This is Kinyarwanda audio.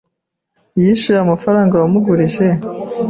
Yishyuye amafaranga wamugurije?